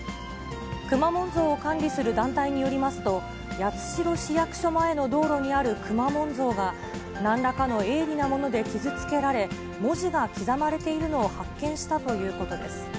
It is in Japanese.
くまモン像を管理する団体によりますと、八代市役所前の道路にあるくまモン像が、なんらかの鋭利なもので傷つけられ、文字が刻まれているのを発見したということです。